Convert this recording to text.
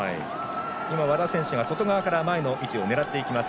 和田選手が外側から前の位置を狙っていきます。